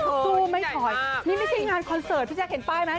สู้ไม่ถอยนี่ไม่ใช่งานคอนเสิร์ตพี่แจ๊คเห็นป้ายไหม